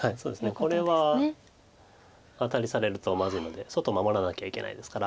これはアタリされるとまずいので外を守らなきゃいけないですから。